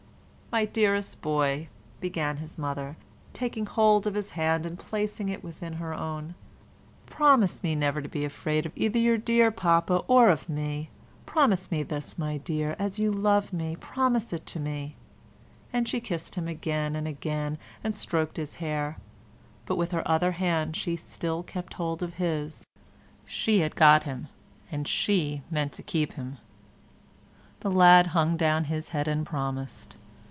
"My dearest boy," began his mother, taking hold of his hand and placing it within her own, "promise me never to be afraid either of your dear papa or of me; promise me this, my dear, as you love me, promise it to me," and she kissed him again and again and stroked his hair. But with her other hand she still kept hold of his; she had got him and she meant to keep him. The lad hung down his head and promised.